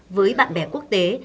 với bạn bè quốc tế